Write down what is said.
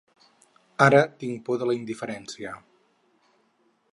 Ara tinc por de la indiferència.